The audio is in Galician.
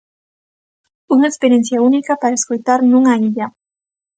Unha experiencia única para escoitar nunha illa.